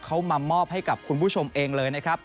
เขามามอบให้กับคุณผู้ชมเองเลยนะครับ